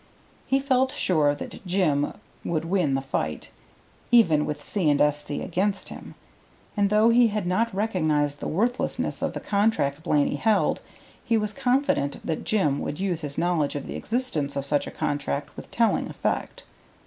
He felt sure that Jim would win the fight, even with C. & S.C. against him, and though he had not recognized the worthlessness of the contract Blaney held, he was confident that Jim could use his knowledge of the existence of such a contract with telling effect.